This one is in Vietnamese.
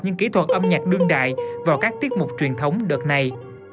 những kỹ thuật âm nhạc đương đại vào các tiết mục truyền thống đợt này